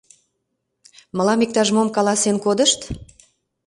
— Мылам иктаж-мом каласен кодышт?